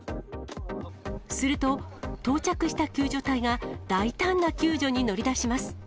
すると、到着した救助隊が、大胆な救助に乗り出します。